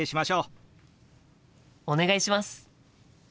お願いします。